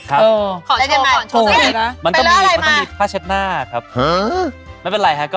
ลองดูครับขอโชว์หน่อยครับมันต้องมีผ้าเช็ดหน้าครับไม่เป็นไรค่ะ